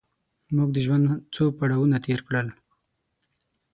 موږ د ژوند څو پړاوونه تېر کړل.